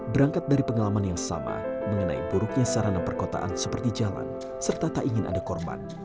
berangkat dari pengalaman yang sama mengenai buruknya sarana perkotaan seperti jalan serta tak ingin ada korban